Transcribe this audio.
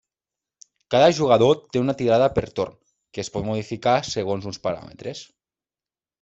Cada jugador té una tirada per torn, que es pot modificar segons uns paràmetres.